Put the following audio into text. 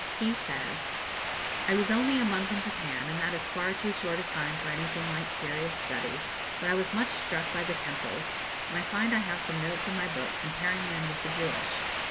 He says: 'I was only a month in Japan, and that is far too short a time for anything like serious study; but I was much struck by the temples, and I find I have some notes in my book comparing them with the Jewish.